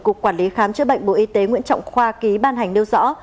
cục quản lý khám chữa bệnh bộ y tế nguyễn trọng khoa ký ban hành nêu rõ